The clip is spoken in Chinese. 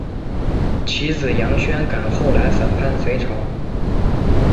其子杨玄感后来反叛隋朝。